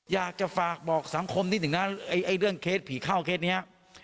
อยากจะฝากบอกสังคมนิดหนึ่งนะไอ้เรื่องเคสผีเข้าเคสนี้